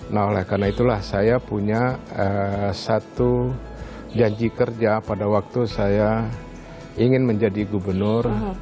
nah oleh karena itulah saya punya satu janji kerja pada waktu saya ingin menjadi gubernur